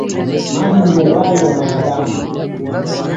Maji ni uhai wa mwanadamu.